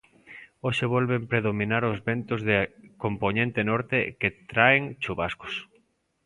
Hoxe volven predominar os ventos de compoñente norte que traen chuvascos.